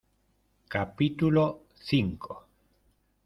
capítulo cinco.